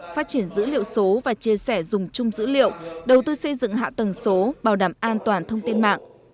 phát triển dữ liệu số và chia sẻ dùng chung dữ liệu đầu tư xây dựng hạ tầng số bảo đảm an toàn thông tin mạng